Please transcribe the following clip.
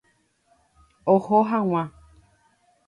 Oho hag̃ua.